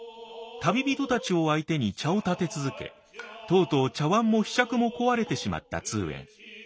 旅人たちを相手に茶を点て続けとうとう茶碗も柄杓も壊れてしまった通圓。